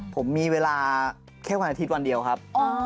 ผมมีเวลาแค่วันอาทิตย์วันเดียวครับ